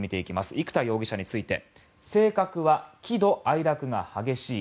生田容疑者について性格は喜怒哀楽が激しい。